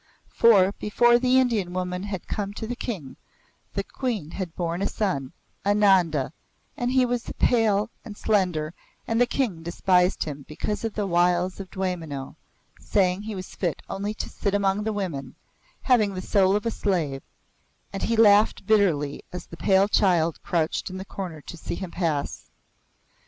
For, before the Indian woman had come to the King, the Queen had borne a son, Ananda, and he was pale and slender and the King despised him because of the wiles of Dwaymenau, saying he was fit only to sit among the women, having the soul of a slave, and he laughed bitterly as the pale child crouched in the corner to see him pass.